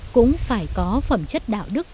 cũng phải có phẩm chất đạo đức